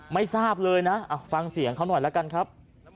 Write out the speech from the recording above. ไม่ทราบเลยนะฟังเสียงเขาหน่อยแล้วกันครับ